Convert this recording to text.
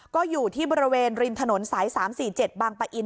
ก็อยู่ที่บริเวณริมถนนสาย๓๔๗บางปะอิน